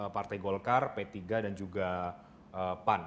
partai golkar p tiga dan juga pan